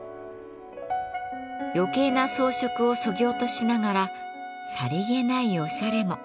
余計な装飾をそぎ落としながらさりげないおしゃれも。